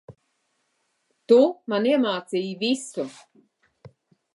Tu, man iemācīji visu.